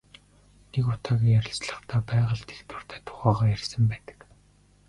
Нэг удаагийн ярилцлагадаа байгальд их дуртай тухайгаа ярьсан байдаг.